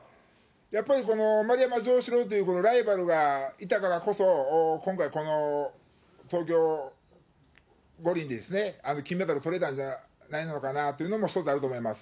やっぱり丸山じょうしろうというライバルがいたからこそ、今回、東京五輪で金メダルとれたんじゃないのかなっていうのも、一つあると思います。